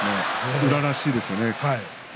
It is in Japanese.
宇良らしいですね。